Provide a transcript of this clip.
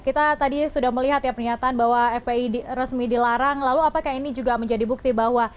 kita tadi sudah melihat ya pernyataan bahwa fpi resmi dilarang lalu apakah ini juga menjadi bukti bahwa